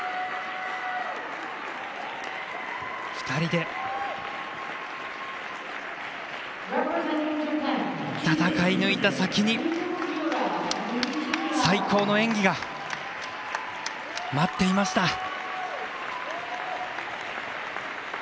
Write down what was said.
２人で戦い抜いた先に最高の演技が待っていました。